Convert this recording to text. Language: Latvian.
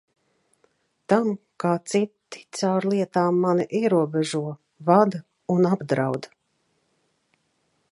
Tam, kā citi caur lietām mani ierobežo, vada un apdraud.